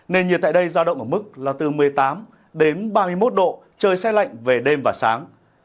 nền nhiệt tại đây ra động ở mức là từ một mươi tám ba mươi một độ trời sẽ lạnh về đêm và sáng